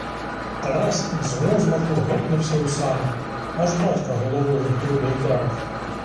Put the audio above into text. Тарас з розмаху гепнувся у сани, аж батька головою в груди вдарив.